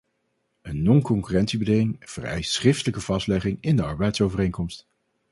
Een non-concurrentiebeding vereist schriftelijke vastlegging in de arbeidsovereenkomst.